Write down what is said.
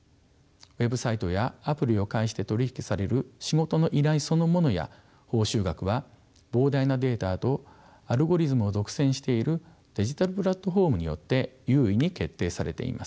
ウェブサイトやアプリを介して取り引きされる仕事の依頼そのものや報酬額は膨大なデータとアルゴリズムを独占しているデジタルプラットフォームによって優位に決定されています。